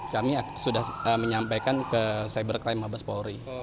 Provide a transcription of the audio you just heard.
kami sudah menyampaikan ke cybercrime mabes polri